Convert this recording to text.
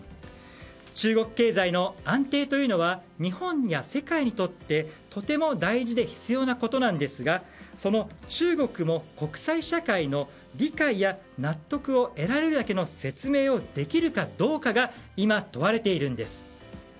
中国経済の安定というのは日本や世界にとってとても大事で必要なことですがその中国も国際社会の理解や納得を得られるだけの説明をできるかどうかが今、問われているんです。